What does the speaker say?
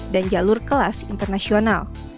dan jalur kelas internasional